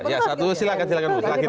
ya satu silahkan bu